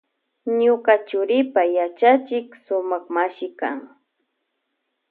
Ñuka churipa yachachik sumak mashi kan.